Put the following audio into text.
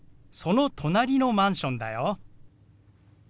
その隣のマンションだよ。